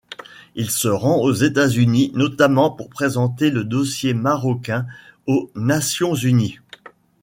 Il se rend aux États-Unis, notamment pour présenter le dossier marocain aux Nations unies.